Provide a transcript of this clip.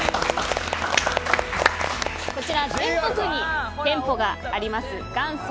こちら全国に店舗があります元祖！